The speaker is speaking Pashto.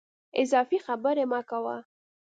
اضافي خبري مه کوه !